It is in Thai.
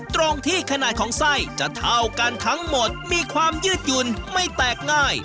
ตรงที่ขนาดของไส้จะเท่ากันทั้งหมดมีความยืดหยุ่นไม่แตกง่าย